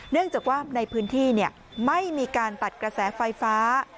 เนื่องจากว่าในพื้นที่ไม่มีการตัดกระแสไฟฟ้า